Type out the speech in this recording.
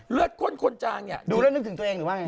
ข้นคนจางเนี่ยดูแล้วนึกถึงตัวเองหรือว่าไง